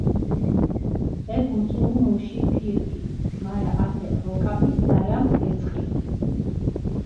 ექ უწუუ მუში ფირქი, მარა ათე როკაპისჷ ძალამქჷ ეწყინჷ.